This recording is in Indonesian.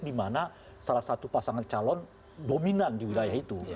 dimana salah satu pasangan calon dominan di wilayah itu